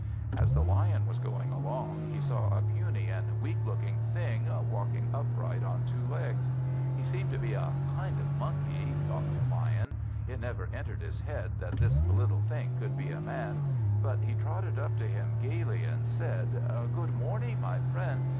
As the Lion was going along, he saw a puny and weak looking thing, walking upright on two legs. He seemed to be a kind of monkey, thought the Lion. It never entered his head that this little thing could be a Man, but he trotted up to him gaily, and said "Good morning, my friend.